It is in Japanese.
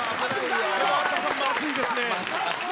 有田さん、まずいですね。